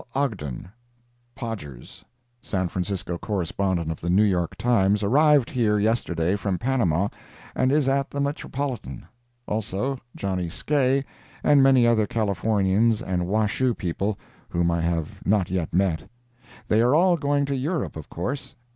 Ogden, ("Podgers"), San Francisco correspondent of the New York Times, arrived here yesterday from Panama, and is at the Metropolitan. Also, Johnny Skae, and many other Californians and Washoe people, whom I have not yet met. They are all going to Europe, of course.